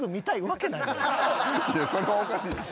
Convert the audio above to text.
いやそれはおかしいでしょ。